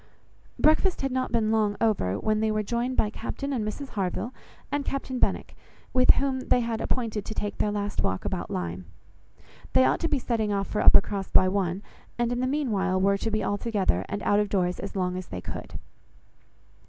Breakfast had not been long over, when they were joined by Captain and Mrs Harville and Captain Benwick; with whom they had appointed to take their last walk about Lyme. They ought to be setting off for Uppercross by one, and in the meanwhile were to be all together, and out of doors as long as they could.